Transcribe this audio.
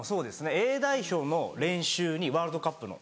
Ａ代表の練習にワールドカップの。